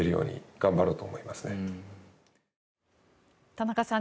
田中さん